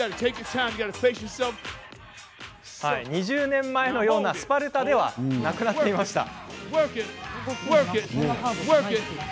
２０年前のようなスパルタではなくなっていました。